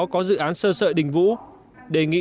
có dự án sơ sợi đình vũ đề nghị